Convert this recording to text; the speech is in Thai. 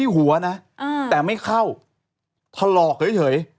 เหงากเลย